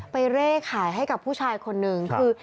เร่ขายให้กับผู้ชายคนนึงคือ